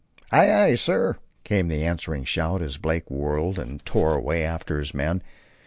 "Aye, aye, sir," came the answering shout, as Blake whirled and tore away after his men.